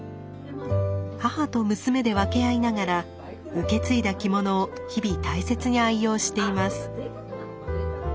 母と娘で分け合いながら受け継いだ着物を日々大切に愛用しています。